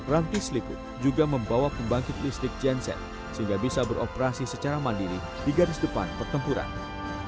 ranti seliput juga membawa pembangkit listrik genset sehingga bisa beroperasi secara mandiri dan tidak terpaksa